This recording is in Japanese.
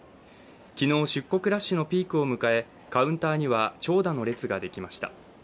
昨日、出国ラッシュのピークを迎えカウンターには長打の列ができました。